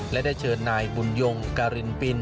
และได้เชิญนายบุญยงการินปิน